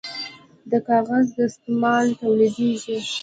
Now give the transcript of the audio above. د کاغذ دستمال تولیدیږي